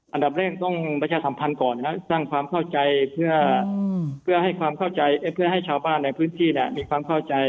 อันดับแรกต้องประชาสัมพันธ์ก่อนสร้างความเข้าใจเพื่อให้ชาวบ้านในพื้นที่มีความเข้าใจ